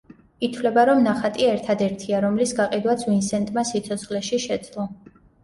ითვლება, რომ ნახატი ერთადერთია, რომლის გაყიდვაც ვინსენტმა სიცოცხლეში შეძლო.